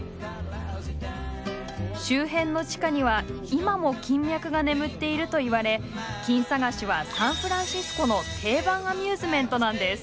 周辺の地下には今も金脈が眠っているといわれ金探しはサンフランシスコの定番アミューズメントなんです。